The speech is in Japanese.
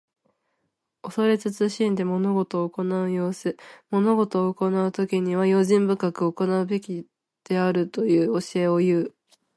恐れ慎んで物事を行う様子。物事を行うときには、用心深く行うべきであるという教えをいう。